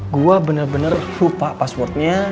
gue bener bener lupa passwordnya